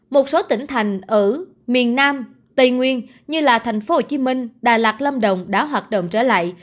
một số tỉnh thành ở miền nam tây nguyên như thành phố hồ chí minh đà lạt lâm đồng đã hoạt động trở lại